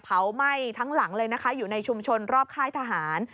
ไหม้ทั้งหลังเลยนะคะอยู่ในชุมชนรอบค่ายทหาร